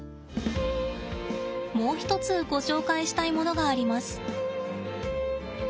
もう一つご紹介したいものがあります。